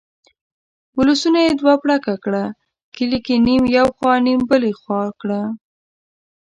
ولسونه یې دوه پړکه کړه، کلي یې نیم یو خوا نیم بلې خوا کړه.